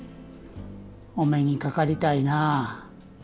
お目にかかりたいなぁ。